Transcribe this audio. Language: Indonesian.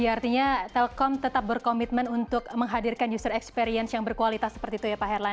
artinya telkom tetap berkomitmen untuk menghadirkan user experience yang berkualitas seperti itu ya pak herlan